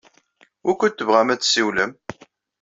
Wukud tebɣam ad tessiwlem?